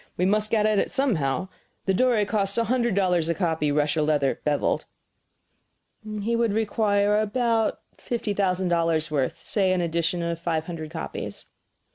We must get at it somehow. The Dore costs a hundred dollars a copy, Russia leather, beveled." "He would require about fifty thousand dollars worth say an edition of five hundred copies."